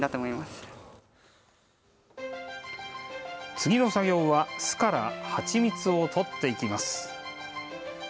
次の作業は巣から蜂蜜をとっていきます。